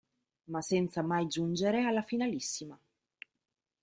Ma senza mai giungere alla finalissima.